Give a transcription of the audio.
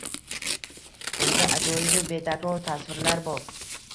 Unda ajoyibu betakror tasvirlar bor.